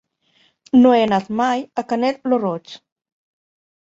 No he anat mai a Canet lo Roig.